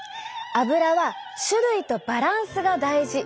アブラは種類とバランスが大事！